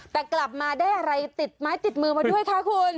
แต่กลับมาได้อะไรติดมือมาด้วยค่ะคุณ